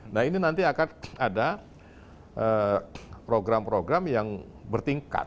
nah ini nanti akan ada program program yang bertingkat